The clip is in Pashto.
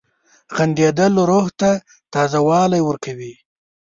• خندېدل روح ته تازه والی ورکوي.